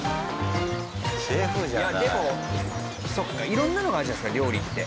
色んなのがあるじゃないですか料理って。